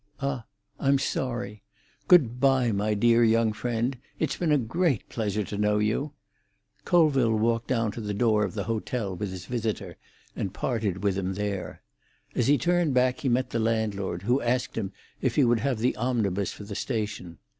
"Ah, I'm sorry. Good bye, my dear young friend. It's been a great pleasure to know you." Colville walked down to the door of the hotel with his visitor and parted with him there. As he turned back he met the landlord, who asked him if he would have the omnibus for the station.